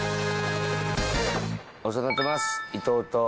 お世話になってます伊藤と。